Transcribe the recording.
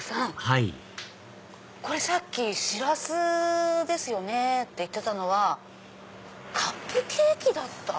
はいさっきシラスですよねって言ってたのはカップケーキだった。